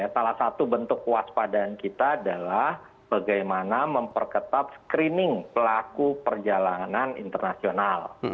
salah satu bentuk kuas padaan kita adalah bagaimana memperketat screening pelaku perjalanan internasional